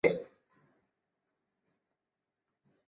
剑桥大学考试委员会